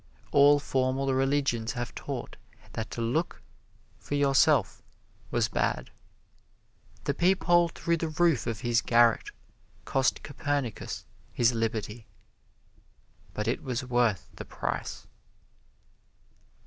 All formal religions have taught that to look for yourself was bad. The peephole through the roof of his garret cost Copernicus his liberty, but it was worth the price.